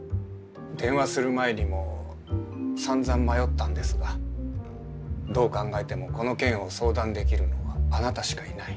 電話する前にもさんざん迷ったんですがどう考えてもこの件を相談できるのはあなたしかいない。